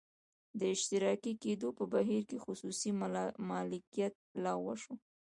د اشتراکي کېدو په بهیر کې خصوصي مالکیت لغوه شو